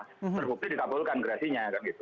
terhubung dikabulkan gerasinya